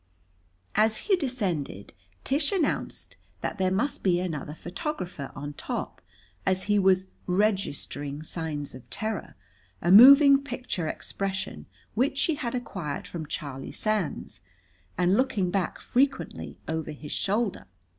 As he descended, Tish announced that there must be another photographer on top, as he was "registering" signs of terror a moving picture expression which she had acquired from Charlie Sands and looking back frequently over his shoulder.